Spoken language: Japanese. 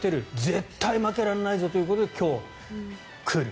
絶対負けられないぞということで今日、来る。